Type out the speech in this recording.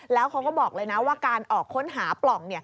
แล้วเขาก็บอกเลยนะว่าการออกค้นหาปล่อง